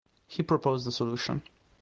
He proposed a solution.